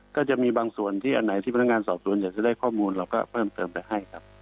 ก็จะมีบางส่วนที่อันไหนที่พนักงานสอบสวนอยากจะได้ข้อมูลเราก็เพิ่มเติมไปให้ครับ